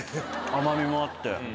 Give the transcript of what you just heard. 甘味もあって。